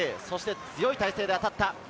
強い体勢で当たった。